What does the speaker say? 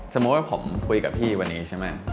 สมมุติว่าผมคุยกับพี่วันนี้ใช่ไหม